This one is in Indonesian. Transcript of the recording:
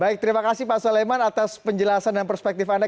baik terima kasih pak soleman atas penjelasan dan perspektif anda